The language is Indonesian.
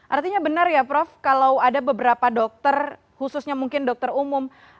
artinya benar ya prof kalau ada beberapa dokter khususnya mungkin dokter umum